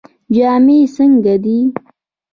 جامې یې څنګه دي؟